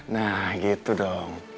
nah gitu dong